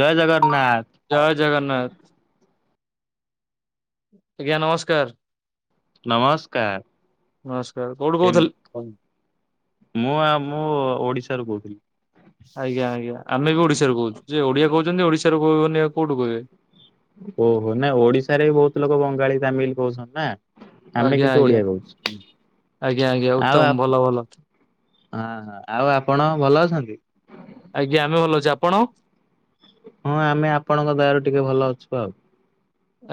ଜୟ ଜଗନ୍ନାଥ। ଜୟ ଜଗନ୍ନାଥ ଆଜ୍ଞା ନମସ୍କାର। ନମସ୍କାର। ନମସ୍କାର କୋଉଠି କେମ୍ କହୁଥିଲେ? ମୁଁ ଆ ମୁଁ ଓଡ଼ିଶାରୁ କହୁଥିଲି। ଆଜ୍ଞା ଆଜ୍ଞା ଆମେ ବି ଓଡ଼ିଶାରୁ କହୁଛୁ ଯେ ଓଡିଆ କହୁଛନ୍ତି ଓଶାରୁ କହିବନି ଆଉ କଉଠୁ କହିବେ? ଓହୋ ନାଇ ଓଡିଶାରେ ବି ବହୁତ ଲୋକ ବଙ୍ଗାଳୀ ତାମିଲ କହୁଛନ୍ତିନ୍ ନା। ଆମେ ଆଜ୍ଞା କିନ୍ତୁ ଆଜ୍ଞା ଓଡିଆ କହୁଛୁ ଆଜ୍ଞା ଆଜ୍ଞା ଆଉ ଉତ୍ତମ ଆପ୍ ଭଲ ଭଲ ହଁ ହ ଆଉ ଆପଣ ଭଲ ଅଛନ୍ତି? ଆଜ୍ଞା ଆମେ ଭଲ ଅଛୁ ଆପଣ? ହଁ ଆମେ ଆପଣଙ୍କ ଦୟାରୁ ଟିକେ ଭଲ ଅଛୁ ଆଉ।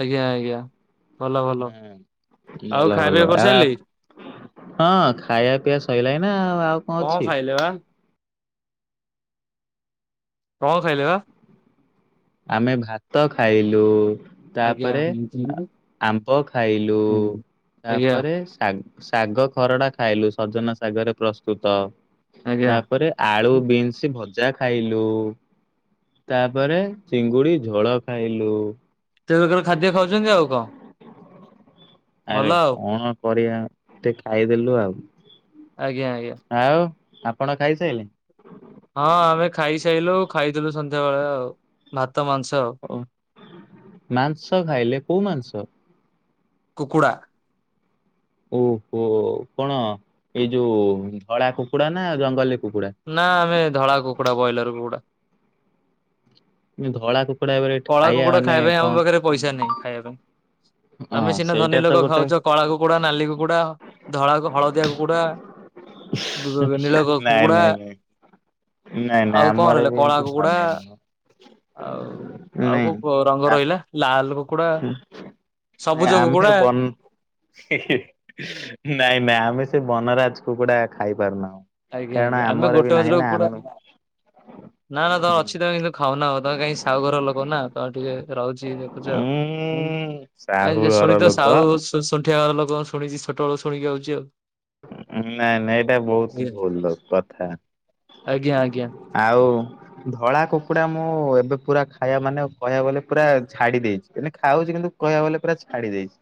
ଆଜ୍ଞା ଆଜ୍ଞା। ଭଲ ଭଲ ହୁଁ ଆଉ ଭଲ ଖାଇବା ଭଲ ପିଇବା ଆଉ କରିସାରିଲେ ଆପ୍ ହଁ ଖାଇବା ପିଇବା ସଇଲାଣି ନା ଆଉ କଣ ଅଛି? ହେଲେବା। କଣ ଖାଇଲେ ବା? ଆମେ ଭାତ ଖାଇଲୁ। ଆଜ୍ଞା। ତା'ପରେ ଆଜ୍ଞା ଆମ୍ବ ଖାଇଲୁ। ତା'ପରେ ଶାଗ୍ ଶାଗ ଖରଡା ଖାଇଲୁ, ସଜନା ଶାଗରେ ପ୍ରସ୍ତୁତ। ଆଜ୍ଞା ତା'ପରେ ଆଳୁ ବିନ୍ସ ଭଜା ଖାଇଲୁ। ତା'ପରେ ଚିଙ୍ଗୁଡ଼ି ଝୋଳ ଖାଇଲୁ। ତେ ପ୍ରକାର ଖାଦ୍ୟ ଖାଉଛନ୍ତି ଆଉ କଁ? ଆରେ କଣ କରିଆ? ଟିକେ ଖାଇଦେଲୁ ଆଉ। ଆଜ୍ଞା, ଆୟା। ଆଉ, ଆପଣ ଖାଇସାଇଲେ? ହଁ, ଆମେ ଖାଇସାଇଲୁ, ଖାଇଥିଲୁ ସନ୍ଧ୍ୟାବେେଳେ ଆଉ, ଭାତ ମାଂସ ଆଉ। ଓଃ, ମାଂସ ଖାଇଲେ କୋଉ ମାଂସ? କୁକୁଡ଼ା। ଓହୋ! କଣ ଏଇ ଯୋଉ ଧଳା କୁକୁଡା ନା, ଜଙ୍ଗଲି କୁକୁଡା? ନା, ଆମେ ଧଳା କୁକୁଡା, ବଏଲର କୁକୁଡା। ନାଇଁ ଧଳା କୁକ୍ କଳା କୁକୁଡା ଖାଇବା ପାଇଁ, ଆମ ପାଖରେ ପଇସା ନାହିଁ। ଖାଇବା ପାଇଁ। ଆମେ ହଁ ସିନା ସେଇଟା ଧନୀ ତ ଲୋକ ଗୋଟେ ଖାଉଛ, କଳା କୁକୁଡା, ନାଲି କୁକୁଡା, ଧଳା, ହଳଦିଆ କୁକୁଡା। ବି କ-କ ନୀଳକ ନାଇଁ କକୁଡ଼ା। ନାଇଁ ନାଇଁ। ନାଇଁ ନାଇଁ ଆଉ କଣ ଆମର ରହିଲା? ବି କଳା ଏମିତି କୁକୁଡା, ଧନୀ ନୁହଁ। ଆଉ ଆଉ ନାଇଁ କୋଉ କ ରଙ୍ଗ ଆ ରହିଲା? ଲାଲ୍ କୁକୁଡା, ନାଇଁ ସବୁଜ ଆମେ କୁକୁଡା, ବନ [unintelligible] ନାଇଁ ନାଇଁ ଆମେ ସେ, ବନରାଜ କୁକୁଡା ଖାଇପାରୁନାହୁଁ। ଆଜ୍ଞା ଆଜ୍ଞା କାରଣ ଆମେ ଆମର ଗୋଟେ ବି ମାତ୍ର ନାହିଁ ନା, କୁକୁଡା ଆମେ ନା, ନା, ତମର ଅଛି ତମେ କିନ୍ତୁ ଖାଉନ, ତମେ କାହିଁ ସାହୁ ଘର ଲୋକ ନା, ତମେ ଟିକେ ରହୁଛି ଦେଖୁଛ। ଉଁ ହୁଁ, ଆଉ ଆ ସାହୁ ଯେ ଘର ଶୁଣି ତ ଲୋକ ସାହୁଜ୍ ଶୁଣ୍ଠିଆ ଘର ଲୋକ ଶୁଣିଛି, ଛଟବେଳୁ ଶୁଣିକି ଆଉଛି ଆଉ। ନାଇଁ, ନାଇଁ, ଏଇଟା ବହୁତ ଭୁଲୁ କଥା। ଆଜ୍ଞା ଆଜ୍ଞା। ଆଉ। ଧଳା କୁକୁଡା ମୁଁ ଏବେ ପୁରା ଖାଇବା ମାନେ କହିବାକୁ ଗଲେ, ପୁରା ଛାଡି ଦେଇଛି। ଏନେ ଖାଉଛି କିନ୍ତୁ କହିଆକୁ ଗଲେ ପୁରା ଛାଡି ଦେଇଛି।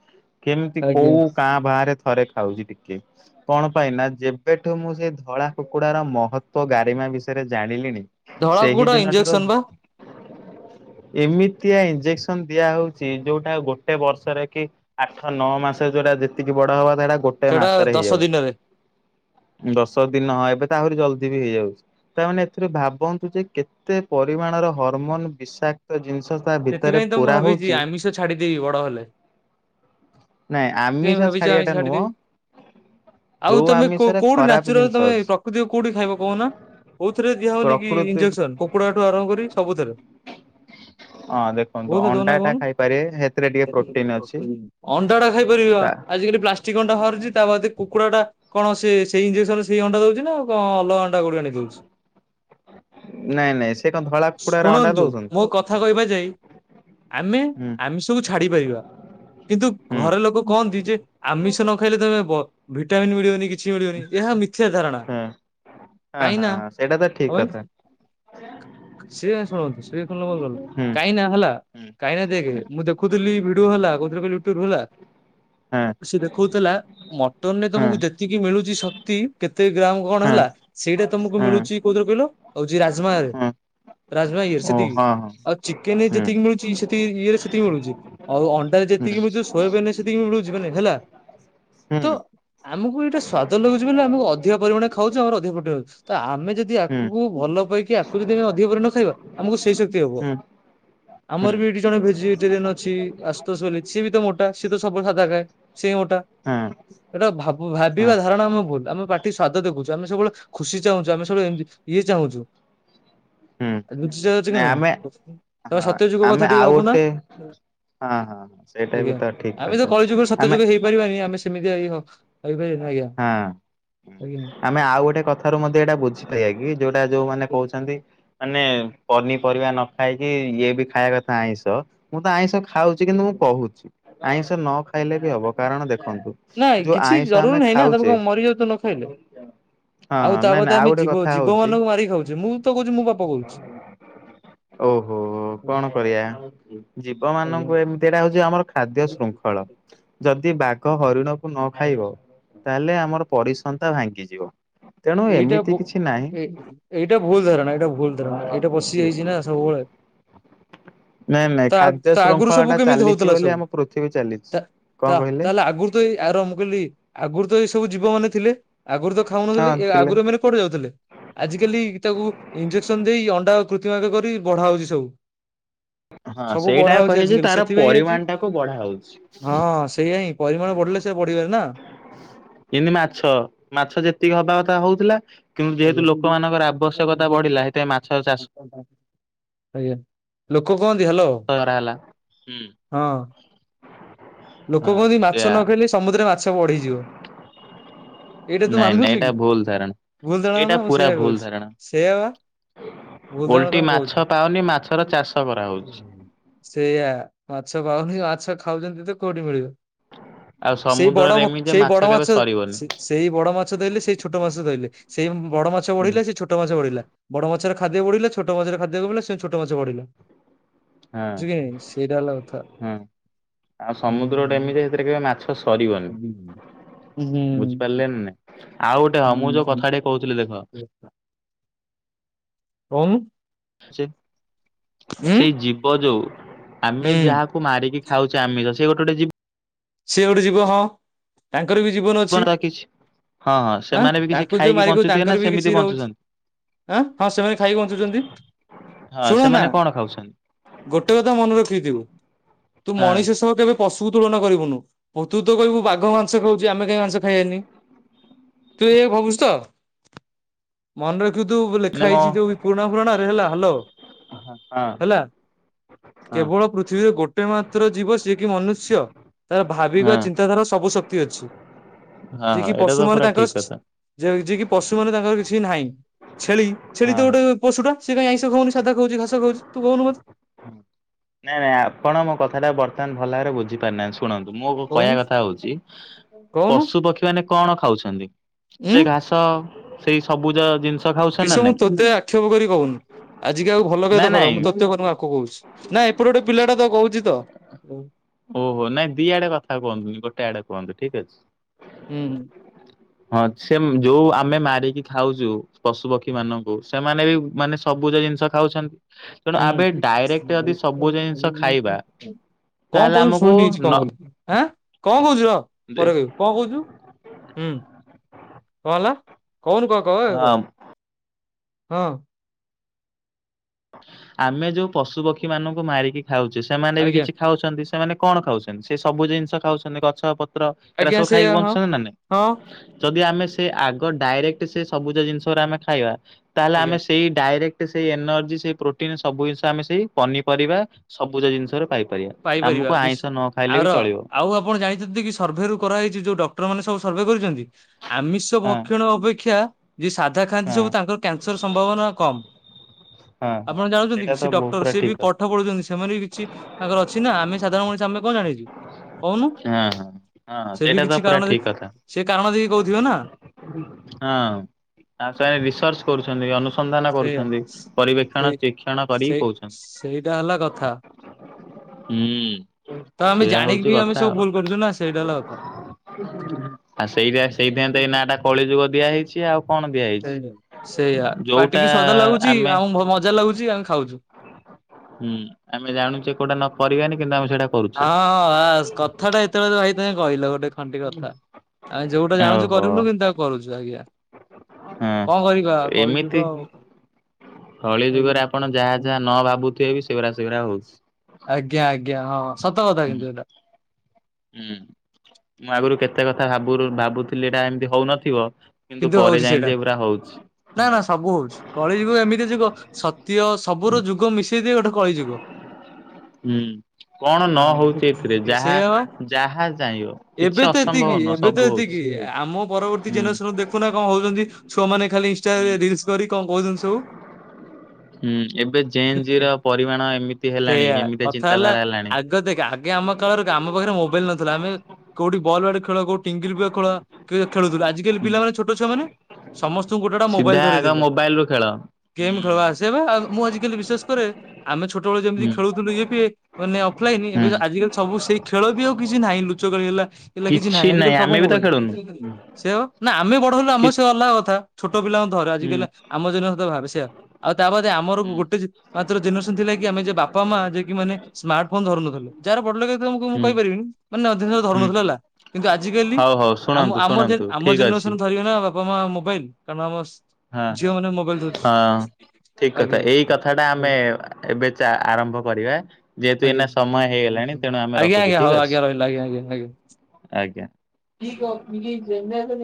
କେମିତି ଆଜ୍ଞା କୋଉ କାଁ, ଭାଁ ରେ ଥରେ ଖାଉଛି ଟିକେ। କଣ ପାଇଁ ନା? ଯେବେଠୁ ମୁଁ ସେଇ ଧଳା କୁକୁଡାର ମହତ୍ବ ଗାରିମା ବିଷୟରେ ଜାଣିଲିଣି ଧଳା ସେହି କୁକୁଡା ଦିନ ଠାରୁ ଇଞ୍ଜେକ୍ସନ ବା ଏମିତିଆ ଇଞ୍ଜେକ୍ସନ୍ ଦିଆ ହଉଛି, ଯୋଉଟା ଗୋଟେ ବର୍ଷରେ କି ଆଠ ନଅ ମାସ ଯୋଉଟା ଯେତିକି ବଡ ହବା ସେଡା ଗୋଟ୍ ସେଡାତ୍ ହେଇଯାଉଛି। ଦଶ ଦିନ ଏବେ ତ ଆହୁରି ଜଲ୍ଦି ବି ହେଇଯାଉଛି। ତା, ମାନେ ଏଥିରେ ଭାବନ୍ତୁ ଯେ, କେତେ ପରିମାଣର ହରମୋନ୍ ବିଷାକ୍ କ୍ତ ଜିନିଷ ତା ଭିତରେ ସେଥିପାଇଁ ତ ମୁଁ ପୁରା ଭାବିଛି ହଉଛି। ଆମିଷ ଛାଡିଦେବି ବଡ ହେଲେ। ନାଇଁ, ସେଥିପାଇଁ ଆମିଷ ଭାବିଛି ଆମିଷ ଛାଡିଆଟା ନୁହଁ। ଛାଡିଦେବି ଆଉ, ଯୋଉ ତମେ କୋ ଆମିଷରେ -କୋଉଠି ଖରାପ ନ୍ୟଚୁରାଲ୍ ଜିନିଷ ତମେ ଅଛି। ପ୍ରକୃତିକୁ କୋଉଠି ଖାଇବ କହୁନ? କଉଥିରେ ଦିଆ ହଉନି କି ପ୍ରକୃତି ଇଞ୍ଜେକସନ୍? କୁକୁଡା ଠୁ ଆରମ୍ଭ କରି ସବୁଥିରେ। ହଁ, ଦେଖ୍ ବହୁତ ଦଉନା କହୁନୁ, ପ୍ରୋଟିନ ଅଛି। ଆଣ୍ଡା ଟା ଖାଇପାରିବା ତା ଆଜିକାଲି ପ୍ଲାସ୍ ଚିକଣ୍ଟା ହରୁଛି, ତାପ ବାଦେ କୁକୁଡ଼ା ଟା କଣ ସେ? ସେଇ ଇଞ୍ଜେକ୍ସନରେ ସେଇ ଅଣ୍ଡା ଦଉଛି ନା କଣ ଅଲଗ ଅଣ୍ଡା ଗୁଡିଏ ନେଇ ଦଉଛି। ନାଇଁ, ନାଇଁ, ସେ କଣ ଧଳା କୁକୁଡାର ଅଣ୍ଡା ଶୁଣନ୍ତୁ ମୋ ଦଉଛନ୍ତି? କଥା କହିବା ଯାଇ ଆମେ, ହୁଁ ଆମି୍ଷ କୁ ଛାଡି ପାରିବା। କିନ୍ତୁ ହୁଁ ଘର ଲୋକ କହନ୍ତି ଯେ ଆମିଷ ନ ଖାଇଲେ ତମେ ବ ଭିଟାମନ୍ ମିଳିବନି କିଛ୍ ଛି ମିଳିବନି ଏହା ମିଥ୍ୟା ଧାରଣା ହୁଁ। ହଁ କାହିଁ ହଁ ନା ହଁ ସେଇଟା ତ ଠିକ କଥା ସିଏ ଶୁଣନ୍ତୁ ସିଏ କଣ ଲ [unintelligible] ହୁଁ। କାହିଁକି ନା ହଲା ହୁଁ କାହିଁକି ନା ଦେଖେ ହୁଁ ମୁଁ ଦେଖୁଥିଲି ଭିଡିଓ ହେଲା କୋଉଥିରୁ କହିଲୁ ୟୁଟୁବରୁ ହେଲା। ହଁ ସିଏ ଦେଖଉଥିଲା। ମଟନରେ ହଁ ତମକୁ ଯେତିକି ମିଳୁଚି ଶକ୍ତି କେତେ ଗ୍ରାମ୍ କଣ ହଁ ହେଲା? ସେଇଟା ତମକୁ ହଁ ମିଳୁଚି କୋଉଥିରେ କହିଲ ହଉଚି ରାଜମାରେ ହଁ ରାଜମା ଇଏରେ ଓ ସେତିକି। ହଁ ହଁ ଆଉ ଚିକେନ ରେ ଯେତିକି ହୁଁ ମିଳୁଚି ସେତିକି ଇଏ ରେ ସେତିକି ମିଳୁଚି। ଆଉ ଅଣ୍ଡାରେ ଯେତିକି ମିଳୁଚି ସୋୟାବିନରେ ସେତିକି ମିଳୁଚି ବେଲେ ହେଲା। ହୁଁ। ଆମୁକୁ ଏଇଟା ସ୍ୱାଦ ଲାଗୁଚି ବୋଲି ଆମୁକୁ ଅଧିକା ପରିମାଣରେ ଖାଉଚେ ଆମର ଅଧିକ ପ୍ରୋଟୋଉଚି। ତ ଆମେ ଯଦି ହୁଁ ଆକୁକୁ ଭଲ ପାଇକି ଆକୁ ଯେଦି ଆମେ ଅଧିକ ପରିମାଣ ଖାଇବା ଆମକୁ ସେଇ ଶକ୍ତି ହବ। ହୁଁ ହୁଁ ହୁଁ ଆମର ବି ଏଇଠି ଜଣେ ଭେଜିଟେରିଆନ ଅଛି ଆଶୁତୋଷ ବୋଲି ସିଏ ବି ତ ମୋଟା, ସିଏ ତ ସବୁବେଳେ ସାଧା ଖାଏ। ସିଏ କାଇଁ ମୋଟା, ହଁ ଏଇଟା ଭାବ ହଁ ଭାବିବା ଧାରଣା ଆମ ଭୁଲ୍ ଆମେ ପାଟି ସ୍ଵାଦ ଦେଖୁଚୁ ଆମେ ସବୁବେଳେ ଖୁସି ଚାହୁଁଚୁ, ଆମେ ସବୁବେଳେ ଏମତି ଇଏ ଚାହୁଁଚୁ ହୁଁ ଆଉ ବୁଝିଚଟି କି ନାଇଁ ତମେ ହଁ ସତ୍ୟ ଯୁଗ ଆମେ କଥା ଟିକେ ଆଉ ଭାବୁନା। ଗୋଟେ ହଁ ହଁ ସେଇଟା ବି ଆଜ୍ଞା ତ ଠିକ ଆମେ ତ କଥା କଳିଯୁଗରେ ସତ୍ୟ ଆମେ ଯୁଗ ହେଇ ପାରିବାନି ଆମେ ସେମିତିଆ ଇହ ହେଇପାରିବାନି ଆଜ୍ଞା ହଁ ଆଜ୍ଞା। ଆମେ ଆଉ ଗୋଟେ କଥାରୁ ମଧ୍ୟ ଏଇଟା ବୁଝିପାରିବା କି ଯୋଉଟା ଯୋଉମାନେ କହୁଛନ୍ତି ମାନେ ପନିପରିବା ନ ଖାଇକି ଇଏ ବି ଖାଇବା କଥା ଆଇଁଷ ମୁଁ ତ ଆଇଁଷ ଖାଉଚି କିନ୍ତୁ ମୁଁ କହୁଚି ଆଇଁଷ ନ ଖାଇଲେ ବି ହବ କାରଣ ଦେଖନ୍ତୁ ନାଇଁ ଯୋଉ କିଛି ଆଇଁଷ ଆମେ ଜରୁରୀ ନାହିଁ ନା ତମେ ଖାଉଛେ କଣ ମରିଯାଉଚ ନ ଖାଇଲେ ହଁ ଆଉ ହଁ ତା ନାଇଁ ବାଦେ ନାଇଁ ଆଉ ଆମେ ଗୋଟେ ଜୀବ କଥା ଜୀବ ହଉଛି ମାନଙ୍କୁ ମାରି ଖାଉଚେ ମୁଁ ତ କହୁଛି ମୁଁ ପାପ କରୁଚି। ଓହୋ କଣ ଆଜ୍ଞା କରିଆ ଜୀବ ମାନଙ୍କୁ ଆଜ୍ଞା। ଏବ୍ ସେଇଟା ହଉଛି ଆମର ଖାଦ୍ୟ ଶୃଙ୍ଖଳ ଯଦି ବାଘ ହରିଣକୁ ନ ଖାଇବ ତାହେଲେ ଆମର ପରିସନ୍ତା ଭାଙ୍ଗିଯିବ। ତେଣୁ ଏଇଟା ଏମିତି ଭୁ କିଛି ନାହିଁ ଏଇ ଏଇଟା ଭୁଲ୍ ଧାରଣା ଏଇଟା ଭୁଲ୍ ଧାରଣା ଏଇଟା ବସିି ଯାଇଛି ନା ସବୁବେଳେ। ନାଇଁ ନାଇଁ ତା ଖାଦ୍ୟ ତା ଆଗରୁ ଶୃଙ୍ଖଳା ସବୁ ଟା ଚାଲିଚି ବୋଲି ଆମ ପୃଥିବୀ ଚାଲିଚି। ତ ତାହେଲେ ଆଗରୁ ତ ଏଇ ଆର ମୁ କହିଲି ଆଗରୁ ତ ଏଇ ସବୁ ଜୀବ ମାନେ ଥିଲେ ଆଗରୁ ତ ଖାଉନଥିଲେ। ହଁ ଥିଲେ ଫେରେ କୁଆଡେ ଯାଉଥିଲେ? ଆଜିକାଲି ତାକୁ ଇଞ୍ଜେକ୍ସନ ଦେଇ ଅଣ୍ଡା କୃତ୍ରିମ ରେ କରି ବଢା ହଉଛି ସବୁ। ହଁ ସବୁ ସେଇଟା ବଢା ହଉଚି କହିବେ ଯେ ଆଜିିକାଲି ତାର ସେଥିପାଇଁ ଆଜି ପରିମାଣ ଟାକୁ ବଢା ହଉଛି। ହଁ ସେଇଆ ହିଁ। ପରିମାଣ ବଢିଲେ ସେ ବଢିପାରେ ନା? ଯେମନି ମାଛ, ମାଛ ଯେତିକି ହବା କଥା ହଉଥିଲା। କିନ୍ତୁ ଆଜ୍ଞା ଯେହେତୁ ଲୋକମାନଙ୍କର ଆବଶ୍ୟକତା ବଢିଲା ସେଥିପାଇଁ ମାଛ ଚାଷ ଆଜ୍ଞା ଲୋକ କୁହନ୍ତି ହ୍ୟାଲୋ ତଗରା ହେଲା ହୁଁ। ହଁ ଲୋକ ହଁ କୁହନ୍ତି ମାଛ ସେଆ ନ ଖାଇଲେ ସମୁଦ୍ରରେ ମାଛ ବଢିଯିବ। ଏଇଟା ତୁ ନାଇଁ ନାଇଁ ମାନୁଚୁ ଏଇଟା କି ଭୁଲ ଧାରଣା। ଭୁଲ ଧାରଣ ଏଇଟା ନା ମୁଁ ପୁରା ସେଇଆ ଭୁଲ କହୁଚି ଧାରଣା ସେଇଆ ବା। ଭୁଲ୍ ଧାରଣା ଓଲଟି ତ ମୁଁ ମାଛ କହୁଚି। ପାଉନି ମାଛର ଚାଷ କରାହଉଛି। ସେଇୟା ମାଛ ପାଉନି ମାଛ ଖାଉଛନ୍ତି ତ କୋଉଠି ମିଳିବ? ଆ ସେଇ ବଡ ମ ସେଇ ବଡ ମାଛ। ସେ ସେଇ ବଡ ମାଛ ଧଇଲେ ସେଇ ଛୋଟ ମାଛ ଧଇଲେ ସେଇ ବଡ ମାଛ ହଁ ବଢିଲେ ସେଇ ଛୋଟ୍ ଟୋ ମାଛ ବଢ଼ିଲା ବଡ଼ ମାଛରେ ଖାଦ୍ୟ ବଢିଲା ଛୋଟ ମାଛର ଖାଦ୍ୟ ବଢ଼ିଲା ସେ ଛୋଟ ମାଛ ବଢ଼ିଲେ। ଜିକାଇଁ ସେଇରା ହେଲା କଥା। ଆ ହୁଁ ସମୁଦ୍ରଟେ ହୁଁ। ଏମିତିଯେ ସେଥିରେ କେବେ ମାଛ ସରିବନି, କହୁନୁ ଉଁ ବୁଝିପାରିଲେନି ନାଇଁ? ଆଉ ଗୋଟେ ହଁ ମୁଁ ଯୋଉ କଥା ଟି କହୁଥିଲି ଦେଖ। କୋହୁନୁ। ସେ ସେଇ ହୁଁ ଜୀବ ଯୋଉ ଆମେ ଯାହା ମାରିକି ଖାଉଚେ ଆମିଷ ସେ ଗୋଟେ ଗୋଟେ ଜି ସିଏ ଗୋଟେ ଯିବ ହଁ ତାଙ୍କର ବି ଜୀବନ ଅଛି। ନା କିଛି ହଁ ହଁ ଆଁ ସେମାନେ ବି କିଛି ତାଙ୍କୁ ଯୋଉ ଖାଇକି ମାରିକ ବଞ୍ଚୁଥିବେ ନା ତାଙ୍କର ବି ସେମିତି କିଛି ରହୁଛି। ବଞ୍ଚୁଛନ୍ତି? ଆଁ ହଁ ସେମାନେ ଖାଇକି ବଞ୍ଚୁଚନ୍ତି। ହଁ ଶୁଣ ନା ସେମାନେ କଣ ଖାଉଛନ୍ତି? ଗୋଟେ କଥା ମନେ ରଖିଥିବୁ ତୁ ହଁ ମଣିଷ ସହ କେବେ ପଶୁକୁ ତୁଳନ କରିବୁନୁ ପ ତୁତ କହିବୁ ବାଘ ମାଂସ ଖାଉଛି ଆମେ କାହିଁ ମାଂସ ଖାଇବାନି। ତୁ ଏୟା ଭାବୁଚୁ ତ? ମନେ ରଖୁ ତୁ ନା ଲେଖା ମୋ ହେଇଛି ଯୋଉ ଗୁଣ ପୁରୁଣାରେ ହେଲା ହାଲୋ। ହଁ ହଁ। ହେଲା କେବଳ ପୃଥିବୀରେ ଗୋଟେ ମାତ୍ର ଜୀବ ସିଏ କି ମନୁଷ୍ୟ ତାର ଭାବିିବା ହଁ ଚିନ୍ତାଧାରା ସବୁ ଶକ୍ତି ଅଛି ହଁ ଯିଏ ହଁ କି ଏଇଟା ତ ପଶୁମାନେ ପୁରା ତାଙ୍କ ଠିକ କଥା ଯେ ଯିଏ କି ପଶୁ ମାନେ ତାଙ୍କର କିଛି ନାହିଁ ଛେଳି ଛେଳି ହଁ ତ ହଁ। ଗୋଟେ ପଶୁଟା ସେ କାଇଁ ଆଇଁଷ ଖାଉନି ସାଧା ଖାଉଛି ଘାସ ଖାଉଛି ତୁ କହୁନୁ ମତେ। ନାଇଁ ନାଇଁ ଆପଣ ମୋ କଥାଟା ବର୍ତ୍ତମାନ ଭଲ ଭାବରେ ବୁଝିପାରିନାହାନ୍ତି ଶୁ ଶୁଣନ୍ତୁ ମୋ କହିବା କହୁନୁ କଥା ହଉଛି କହୁନୁ ପଶୁ ପକ୍ଷୀ ମାନେ କଣ ଖାଉଛନ୍ତି? ସେ ଉଁ ଘାସ ସେଇ ସବୁଜ ଜିନିଷ। ଖାଉଛନ୍ତି ନା ବିଷୁ ମୁଁ ନାଇଁ ତୋତେ ଆକ୍ଷେପ କରି କହୁନି ଆଜି କାହାକୁ ଭଲ କହିବୁ ନା ତ ନାଇଁ ଖରାପ ମୁଁ ତତେ କହୁନୁ ମୁଁ ଆକୁ କହୁଛି। ନା ଏପଟେ ଗୋଟେ ପିଲାଟା ତ କହୁଛି ତ। ଓହୋ ନାଇଁ ଦିଆଡ଼େ କଥା କୁହନ୍ତୁନି ଗୋଟେ ଆଡ଼େ କୁହନ୍ତୁ ଠିକ୍ ଅଛି। ହୁଁ ହୁଁ। ହଁ ସେମ୍ ଯୋଉ ଆମେ ମାରିକି ଖାଉଚୁ ପଶୁ ପକ୍ଷୀ ମାନଙ୍କୁ ସେମାନେ ବି ମାନେ ସବୁଜ ଜିନିଷ ଖାଉଛନ୍। ହୁଁ ଜିନିଷ ଖାଇବା [unintelligible] କଣ ତାହେଲେ କହୁଚୁ ଆମକୁ ଶୁଣିନି କିଛି ନ କଣ କହିଲୁ ଆଁ କଣ କହୁଚୁ ରହ ପରେ କହିବୁ। କଣ କହୁଛୁ ହୁଁ କଣ ହେଲା କହୁନୁ କହ କହ ଏ କହ। ହଁ ହଁ। ଆମେ ଯୋଉ ପଶୁପକ୍ଷୀ ମାନଙ୍କୁ ମାରିକି ଖାଉଚେ ସେମାନେ ବି ଆଜ୍ଞା କିଛି ଖାଉଛନ୍ତି ସେମାନେ କଣ ଖାଉଛନ୍ତି ସେ ସବୁ ଜିନିଷ ଖାଉଛନ୍ତି ଗଛ ପତ୍ର ଏରା ଆଜ୍ଞା ସବୁ ଖାଇକି ସେଇଆ ହଁ ବଞ୍ଚୁଛନ୍ତି ନା ନାଇଁ? ହଁ ଯଦି ଆମେ ସେ ଆଗ ଡାଇରେକ୍ଟ ସେ ସବୁଜ ଜିନିଷରା ଆମେ ଖାଇବା ତାହେଲେ ଆଜ୍ଞା। ଆମେ ସେଇ ଡାଇରେ ସେଇ ଏନର୍ଜି ସେଇ ପ୍ରୋଟିନ ସବୁ ଜିନିଷ ଆମେ ସେଇ ପନିପରିବା ସବୁଜ ଜିନିଷରେ ପାଇବୁ। ପାଇପାରିବା ବିସ୍ ଆଉ ରହ ଆଉ ଆପଣ ଜାଣି ଯେତିକି ସର୍ଭେ ରୁ କରାହେଇଛି ଯୋଉ ଡକ୍ଟର ମାନେ ସବୁ ସର୍ଭେ କରିଛନ୍ତି ଆମିଷ ହଁ ଭକ୍ଷଣ ଅପେକ୍ଷା ଯିଏ ସାଧା ଖାଆନ୍ତି ହଁ ସବୁ ତାଙ୍କର କ୍ୟାନସର ସମ୍ଭାବନା କମ୍। ହଁ ଆପଣ ହଁ ଜାଣୁଛନ୍ତି ସେଇଟା କି ତ ସେ ବହୁ ଡକ୍ଟର ପୁରା ସିଏ ଠିକ ବି ପ କଥା ଠ ପଢ଼ୁଛନ୍ତି ସେମାନେ ବି କିଛି ତାଙ୍କର ଅଛି ନା ଆମେ ସାଧାରଣ ମଣିଷ ଆମେ କଣ ଜାଣିଚୁ। କହୁନୁ ହଁ ହଁ ହଁ ସେ ବି ସେଇଟା କିଛି ତ ପୁରା କାରଣ ଠିକ ଦେକି କଥା ସେ କାରଣ ଦେଖି କହୁଥିବେ ନା। ହଁ ତାଙ୍କୁ ଆମେ ବିଶ୍ୱାସ କରୁଛନ୍ତି ଅନୁ ସନ୍ଧାନ ସେଇଆ। କରୁଛନ୍ତି ପରିବେକ୍ଷଣ ସେଇ ଶିକ୍ଷଣ କରିି ସେଇ ସେଇଟା ହେଲା କଥା। କହୁଛନ୍ତି। ହୁଁ। ତ ଆମେ ସେଇଆ ଜାଣିକି ହଉଛି ବି ଆମେ କଥା ସବୁ ଆଉ ଭୁଲ କରୁଛୁ ନା ସେଇଟା ହେଲା କଥା। ଆଉ ସେଇଟା ସେଇଥିପାଇଁ ତ ଏଇ ନା ଟା କଳି ଯୁଗ ଦିଆ ହେଇଛି ଆଉ। କଣ ଦିଆ ହେଇଛି। ସେଇଆ ସେଇଆା ଯୋଉଟା ପାଟିକି ସ୍ୱାଦ ଲାଗୁଚି ଆମେ ଆଉ ମଜା ଲାଗୁଚି ଆମେ ଖାଉଛୁ। ହୁଁ ଆମେ ଜାଣୁଚୁ କୋଉଟା ନ କରିବାନି କିନ୍ତୁ ଆମେ ସେଇଟା କରୁଛେ। ହଁ ହଁ କଥା ଟା ଏତେବେଳେ ତ ଭାଇ ତମେ କହିଲ ଗୋଟେ ଖଣ୍ଟି କଥା। ଆମେ ଯୋଉଟା ଜାଣଚୁ ଓହୋ କରିନୁ କିନ୍ତୁ ତାକୁ କରୁଛୁ ଆଜ୍ଞା। କଣ ହଁ କରିବା କଳିଯୁଗ ଏମିତି ଆଉ। କଳି ଆଜ୍ଞା। ଯୁଗରେ ଆପଣ ଯାଆ ଯାଆ ନ ଭାବୁଥିବେ ବି ସେଗୁଡ଼ା ସେଗୁଡା ହଉଛି। ଆଜ୍ଞା ଆଜ୍ଞା ହଁ ସତ କଥା ହୁଁ କିନ୍ତୁ ଏଇଟା। ହୁଁ ମୁଁ ଆଗରୁ କେତେ କଥା ଭାବୁ ଭାବୁଥିଲି ଏଇଟା ଏମିତି ହଉନଥିବ। କିନ୍ତୁ ପରେ ହଉଛି ଜାଣିଲି ସେଇଟା ଯେ ଏଗୁରା ହଉଛି। ନା ନା ହଁ ସବୁ ହଉଛି। କଳିଯୁଗ ଏମିତି ଯୁଗ ସତ୍ୟ ସବୁର ଯୁଗ ମିଶେଇ ଦେଇ ଗୋଟେ କଳି ଯୁଗ। ହୁଁ। କଣ ନ ହଉଛି ଏଥିରେ ଯାହା ସେଇଆ ବା ଯାହା ଯାଇଁବ କିଛି ଅସମ୍ଭବ ନୁହ। କିନ୍ତୁ ଏତିକି ଆମ ପରବର୍ତ୍ତୀ ଜେନଷନ ଦେଖୁନା କଣ ହଉଛନ୍ତି ଛୁମାମାନେଖାଲି ଇଷ୍ଟା ହୁଁ ରିଲ୍ସ୍ କରି କଣ କହୁଛନ୍ତି ସବୁ। ହୁଁ ଏବେ ଚେଞ୍ଚର ପରିମାଣ ଏମିତି ହେଲାଣି ସେଇଆ ଏମିତି ଆ କଥା ହେଲା ଚିନ୍ତାଧାରା ହେଲାଣି। ଆଗ ଆଗେ ଆମ କାଳରେ ଆମ ପାଖରେ ମୋବାଇଲ ନଥିଲା ଆମେ କୋଉଠି ବଲ ବ୍ୟାଟେଖେଳ କୋଉଠି ଟିଙ୍ଗିରିଆ ଖେଳ ଖେଳୁଥିଲା ଆଜି ସ୍କୁଲୁପିଲାମାନେ ଛୋଟ ଛୁଆ ମାନେ ସମସ୍ତଙ୍କୁ ଗୋଟୋ ମୋବାଇଲ ସିଧା ଧରେଇ ଆଗ ଦେଲେ। ମୋବାଇଲ ରୁ ଖେଳ। ଗେମ୍ ଖେଳଆସେ ହୁଁ ବା ମୁଁ ଆଜିକାଲି ବିସ୍ଵାସ କରେ। ଆମେ ଛୋଟବେେଳେ ଯେମିତି ଖେଳୁଥିଲୁ ଇଏ ପିଏ ମାନେ ଅଫଲାଇନ ଏବେ ହୁଁ ଆଜିକାଲି ସବୁ ସେଇ ଖେଳ ବି ଆଉ କିଛି ନାହିଁ ଲୁଚକାଳି ଖେଳି ହେଲା ହେଲା କିଛି ନାହିଁ ଆଜିକାଲି ସବୁ ଆମେ ବି ତ ମୋବାଇଲି। ଖେଳୁନୁ ସେ ଆ ଆମେ ବଡ ହେଲୁ ଆମ କି ସେ ଅଲଗା କଥା ଛୋଟ ପିଲାଙ୍କୁ ଧରେ ହୁଁ ଆଜିକାଲି ଆମ ଜେନିଷତ ଭାବେ ସେଆ। ତା ପରେଆମର ହୁଁ ଗୋଟେ ମାତ୍ର ଜେନେରେସନ ଥିଲା କି ଆମେ ବାପା ମା ଯଏକି ମାନେ ସ୍ମାର୍ଟ ଫୋନ ଧରୁନଥିଲୁ। ଯାହାର ବଡ ଲଗ ମୁଁ ହୁଁ କହିପାରିବିନି ମାନେ ଅଧିକାଶ ଧରୁନଥିଲେ ହୁଁ ହେଲା କିନ୍ତୁ ଆଜିକାଲି ହଉ ହଉ ଶୁଣନ୍ତୁ ଶୁଣନ୍ତୁ? ଠିକ ଅଛି ସରିଗଲା ବାପା ମା ମୋବାଇଲ କମ ହଁ-ହଁ-ହଁ ଠିକ୍ କଥା ଆଜ୍ଞା ଏଇ କଥା ଟା ଆମେ ଏବେ ଆରମ୍ଭ କରିବା ଯେହେତୁ ଆଜ୍ଞା ଏଇନା ଆଜ୍ଞା ସମୟ ହେଇଗଲାଣି ତେଣୁ ଆମେ ରଖୁଛୁ ଆଜ୍ଞା ହଉ ଠିକ୍ ଅଛି ଆଜ୍ଞା ରହିଲା ଆଜ୍ଞା। ଜିଓପନିଙ୍ଗ ଜେନେରାଲ।